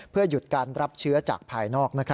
เพื่อหยุดการรับเชื้อจากภายนอก